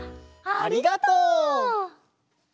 ありがとう！